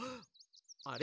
あれ？